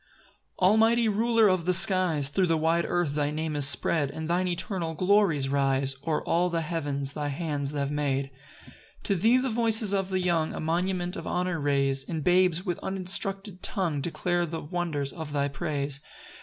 1 Almighty Ruler of the skies, Thro' the wide earth thy name is spread, And thine eternal glories rise O'er all the heavens thy hands have made. 2 To thee the voices of the young A monument of honour raise; And babes, with uninstructed tongue, Declare the wonders of thy praise.